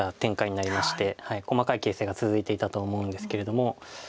細かい形勢が続いていたと思うんですけれども。